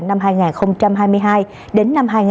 năm hai nghìn hai mươi hai đến năm hai nghìn hai mươi